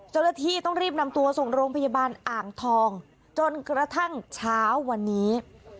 เจ้าหน้าที่ต้องรีบนำตัวส่งโรงพยาบาลอ่างทองจนกระทั่งเช้าวันนี้